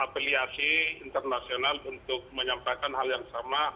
apeliasi internasional untuk menyampaikan hal yang sama